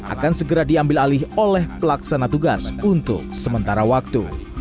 akan segera diambil alih oleh pelaksana tugas untuk sementara waktu